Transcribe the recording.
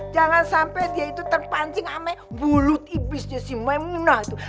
jangan sampai dia itu terpancing ama bulut ibisnya si mwemina tuh